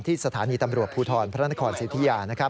ที่สถานีตำรวจภูทรพระนครศรีธุญา